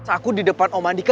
aku di depan om andika